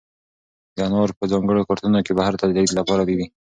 دا انار په ځانګړو کارتنونو کې بهر ته د لېږد لپاره دي.